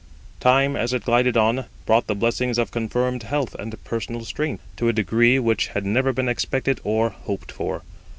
Time, as it glided on, brought the blessings of confirmed health and personal strength, to a degree which had never been expected or hoped for.